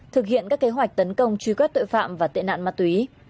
thực hiện các kế hoạch tấn công truy quét tội phạm và tệ nạn ma túy